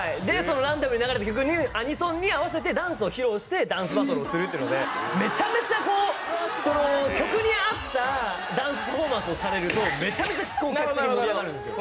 ランダムに流れたアニソンに合わせてダンスを披露してダンスをするっていうので、めちゃめちゃこう、曲に合ったダンスパフォーマンスをされるとめちゃめちゃ盛り上がるんですよ。